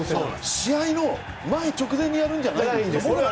試合の直前にやるんじゃないんですね。